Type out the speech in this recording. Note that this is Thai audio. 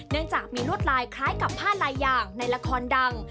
เนื่องจากมีลวดลายคล้ายกับผ้าลายอย่างในละครดัง